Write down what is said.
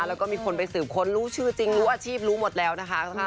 แล้วก็มีคนไปสืบค้นรู้ชื่อจริงรู้อาชีพรู้หมดแล้วนะคะ